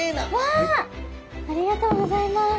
ありがとうございます。